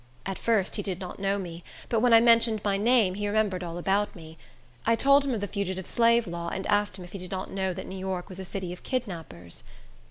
At first, he did not know me; but when I mentioned my name, he remembered all about me. I told him of the Fugitive Slave Law, and asked him if he did not know that New York was a city of kidnappers.